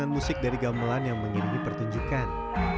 dan juga musik dari gamelan yang mengirimi pertunjukan